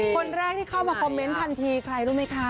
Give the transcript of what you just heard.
คนแรกที่เข้ามาคอมเมนต์ทันทีใครรู้ไหมคะ